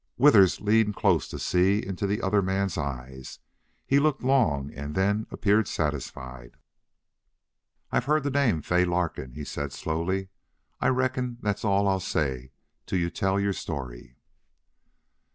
Withers leaned closer to see into the other man's eyes; he looked long and then appeared satisfied. "I've heard the name Fay Larkin," he said, slowly. "I reckon that's all I'll say till you tell your story."